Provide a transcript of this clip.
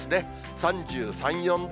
３３、４度。